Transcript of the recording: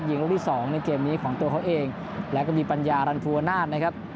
ลูกที่สองในเกมนี้ของตัวเขาเองแล้วก็มีปัญญารันภูวนาศนะครับ